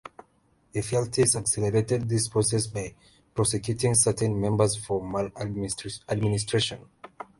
Ephialtes accelerated this process by prosecuting certain members for maladministration.